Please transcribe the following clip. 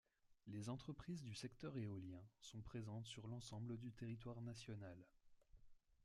Les entreprises du secteur éolien sont présentes sur l’ensemble du territoire national.